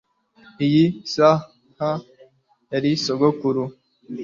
iyi saha yari sogokuru